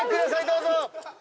どうぞ。